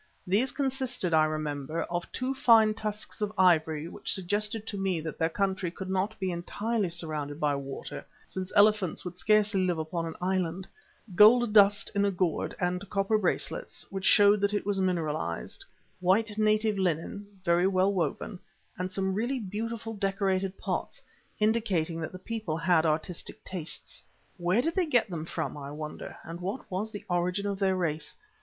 These consisted, I remember, of two fine tusks of ivory which suggested to me that their country could not be entirely surrounded by water, since elephants would scarcely live upon an island; gold dust in a gourd and copper bracelets, which showed that it was mineralized; white native linen, very well woven, and some really beautiful decorated pots, indicating that the people had artistic tastes. Where did they get them from, I wonder, and what was the origin of their race?